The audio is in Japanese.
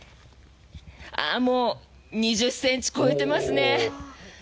もう２０ｃｍを超えてますね。